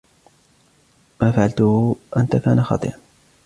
ما فعلته أنتَ كان خاطئاً.